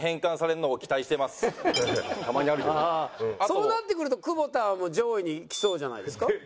そうなってくると久保田も上位にきそうじゃないですか？